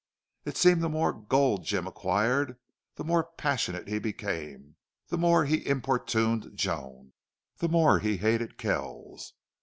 It seemed the more gold Jim acquired the more passionate he became, the more he importuned Joan, the more he hated Kells.